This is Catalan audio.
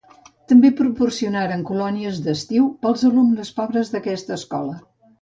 També patrocinaren colònies d'estiu pels alumnes pobres d'aquesta escola.